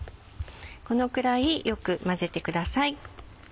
このくらいよく混ぜてください。